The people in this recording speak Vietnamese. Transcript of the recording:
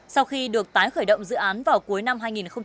sau khi được tái khởi động dự án vào cuối năm hai nghìn một mươi chín